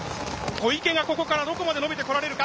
小池がここからどこまで伸びてこられるか。